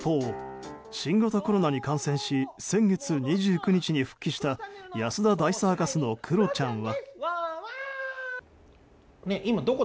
一方、新型コロナに感染し先月２９日に復帰した安田大サーカスのクロちゃんは。